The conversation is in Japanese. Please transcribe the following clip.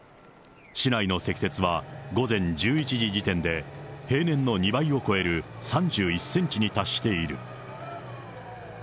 市内の積雪は午前１１時時点で、平年の２倍を超える３１センチに達している。